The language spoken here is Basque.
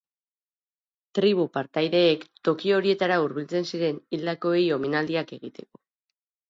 Tribu partaideek toki horietara hurbiltzen ziren hildakoei omenaldiak egiteko.